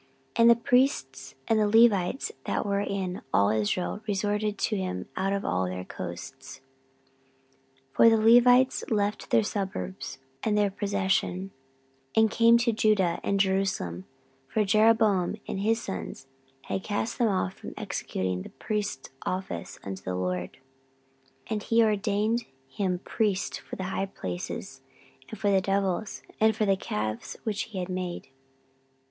14:011:013 And the priests and the Levites that were in all Israel resorted to him out of all their coasts. 14:011:014 For the Levites left their suburbs and their possession, and came to Judah and Jerusalem: for Jeroboam and his sons had cast them off from executing the priest's office unto the LORD: 14:011:015 And he ordained him priests for the high places, and for the devils, and for the calves which he had made.